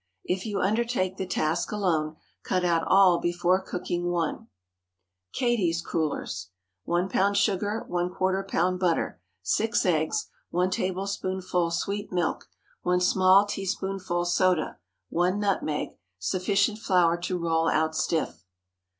If you undertake the task alone, cut out all before cooking one. KATIE'S CRULLERS. 1 lb. sugar. ¼ lb. butter. 6 eggs. 1 tablespoonful sweet milk. 1 small teaspoonful soda. 1 nutmeg. Sufficient flour to roll out stiff.